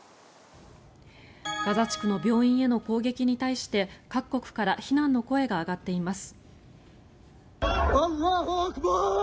ガザ地区の病院への攻撃に対して各国から非難の声が上がっています。